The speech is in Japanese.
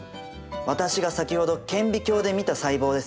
私が先ほど顕微鏡で見た細胞ですね。